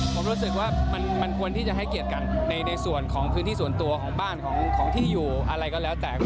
ผมรู้สึกว่ามันควรที่จะให้เกียรติกันในส่วนของพื้นที่ส่วนตัวของบ้านของที่อยู่อะไรก็แล้วแต่